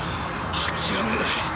諦めない！